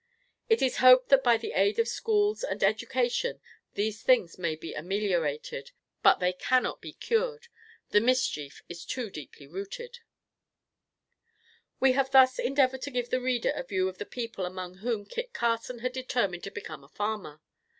It is hoped that by the aid of schools and education these things may be ameliorated, but they cannot be cured. The mischief is too deeply rooted. [Footnote 18: The game most frequently played is monte.] We have thus endeavored to give the reader a view of the people among whom Kit Carson had determined to become a farmer.